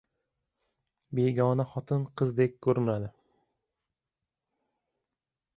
• Begona xotin qizdek ko‘rinadi.